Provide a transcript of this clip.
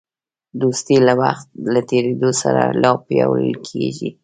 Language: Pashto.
دوستي د وخت له تېرېدو سره لا پیاوړې کېږي.